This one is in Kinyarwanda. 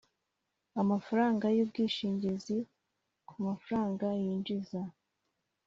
Amafaranga y ubwishingizi ku mafaranga yinjiza